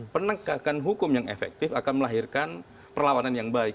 penegakan hukum yang efektif akan melahirkan perlawanan yang baik